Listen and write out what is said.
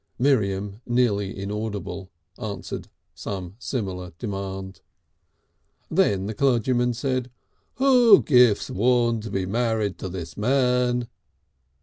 Miriam, nearly inaudible, answered some similar demand. Then the clergyman said: "Who gifs Worn married to this man?"